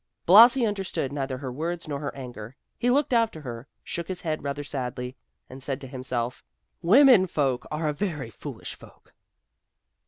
Blasi understood neither her words nor her anger. He looked after her, shook his head rather sadly, and said to himself, "Women folk are a very foolish folk."